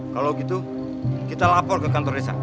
kalau gitu kita lapor ke kantor desa